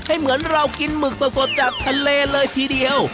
เหมือนเรากินหมึกสดจากทะเลเลยทีเดียว